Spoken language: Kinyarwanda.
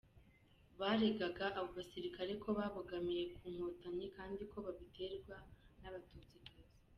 Baregaga abo basirikare ko babogamiye ku nkotanyi kandi ko babiterwa n’Abatutsikazi.